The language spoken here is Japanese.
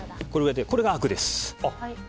これがあくです。